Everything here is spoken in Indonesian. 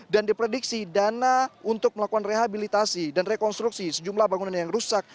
dan diprediksi dana untuk melakukan rehabilitasi dan rekonstruksi sejumlah bangunan yang rusak